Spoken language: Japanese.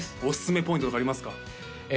おすすめポイントとかありますか？